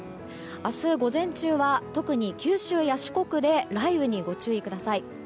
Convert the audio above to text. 明日午前中は特に九州や四国で雷雨にご注意ください。